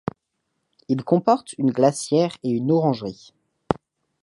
Il comporte une glacière et une orangerie.